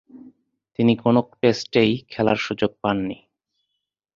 তিনি কোন টেস্টেই খেলার সুযোগ পাননি।